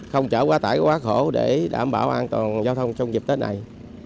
không chở quá tải quá khổ để đảm bảo an toàn giao thông trong dịp tết này